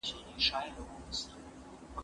زه به ليکنې کړي وي؟!